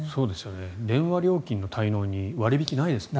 電話料金の滞納に割引ないですもんね。